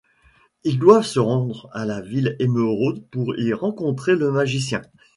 Ils doivent se rendre à la ville émeraude pour y rencontrer le magicien.